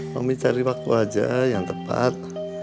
mami cari waktu aja yang tepat